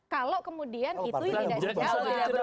kalau kemudian itu tidak